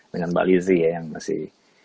dengan mbak lizzie ya yang masih